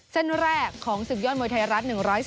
เส้นแรกของศึกยอดมวยไทยรัฐ๑๒